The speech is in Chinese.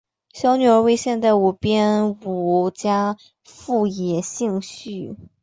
小女儿为现代舞编舞家富野幸绪。